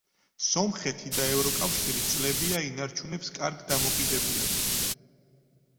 სომხეთი და ევროკავშირი წლებია ინარჩუნებს კარგ დამოკიდებულებას.